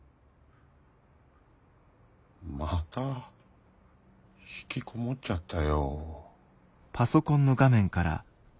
またひきこもっちゃったよ。